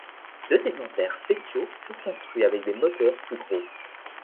Deux exemplaires spéciaux furent construits avec des moteurs plus gros.